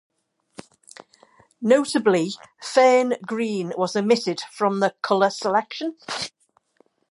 Notably, Fern Green was omitted from the color selection.